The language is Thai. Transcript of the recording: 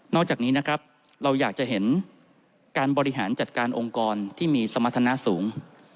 อกจากนี้นะครับเราอยากจะเห็นการบริหารจัดการองค์กรที่มีสมรรถนะสูง